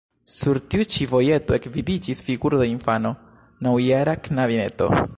Sur tiu ĉi vojeto ekvidiĝis figuro de infano, naŭjara knabineto.